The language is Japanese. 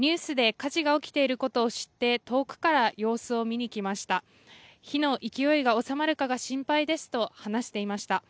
火の勢いが収まるかが心配ですと話していました。